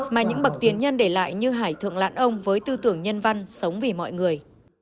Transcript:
mà những bậc tiền nhân để lại như hải thượng lạn ông với tư tưởng nhân văn sống vì mọi người